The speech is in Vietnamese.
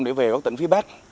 để về các tỉnh phía bắc